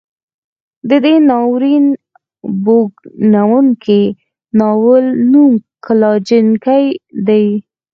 د دې ناورین بوږنوونکي ناول نوم کلا جنګي دی.